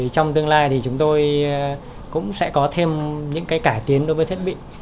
trong tương lai thì chúng tôi cũng sẽ có thêm những cải tiến đối với thiết bị